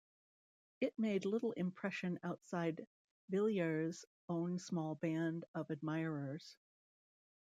It made little impression outside Villiers' own small band of admirers.